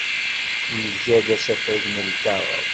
Nga-d asafag n lkaɣeḍ.